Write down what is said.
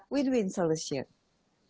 mencari solusi yang menang